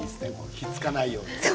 くっつかないように。